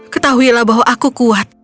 ketahuilah bahwa aku kuat